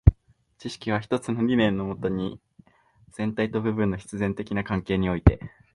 知識は一つの理念のもとに、全体と部分の必然的な関係において、